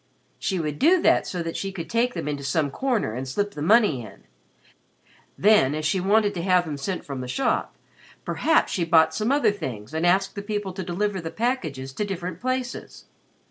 She would do that so that she could take them into some corner and slip the money in. Then, as she wanted to have them sent from the shop, perhaps she bought some other things and asked the people to deliver the packages to different places.